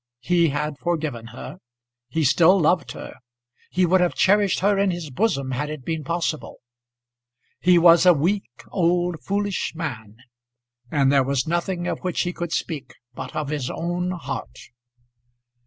He had forgiven her; he still loved her; he would have cherished her in his bosom had it been possible. He was a weak, old, foolish man; and there was nothing of which he could speak but of his own heart.